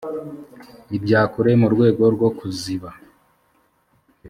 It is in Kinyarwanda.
ibya kure mu rwego rwo kuziba